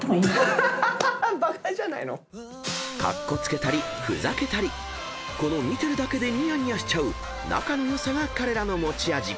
バカじゃないの⁉［カッコつけたりふざけたりこの見てるだけでにやにやしちゃう仲の良さが彼らの持ち味］